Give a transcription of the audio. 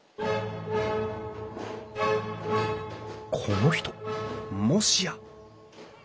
この人もしや！